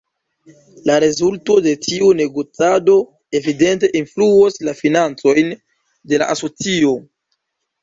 La rezulto de tiu negocado evidente influos la financojn de la asocio.